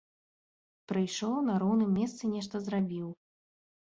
Прыйшоў, на роўным месцы нешта зрабіў.